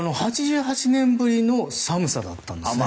８８年ぶりの寒さだったんですね。